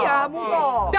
warung roti pak